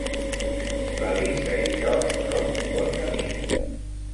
La Lisa i jo som bons amics.